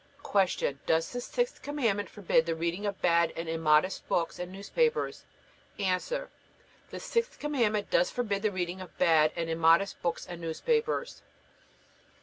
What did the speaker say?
Does the sixth Commandment forbid the reading of bad and immodest books and newspapers? A. The sixth Commandment does forbid the reading of bad and immodest books and newspapers.